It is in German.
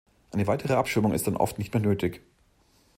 Eine weitere Abschirmung ist dann oft nicht mehr nötig.